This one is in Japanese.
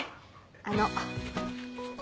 あの。